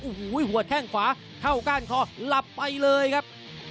โอ้โหหัวแข้งขวาเข้าก้านคอหลับไปเลยครับ